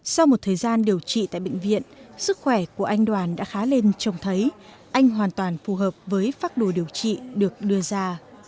sau một thời gian điều trị tại bệnh viện sức khỏe của anh đoàn đã khá lên trông thấy anh hoàn toàn phù hợp với phác đồ điều trị được đưa ra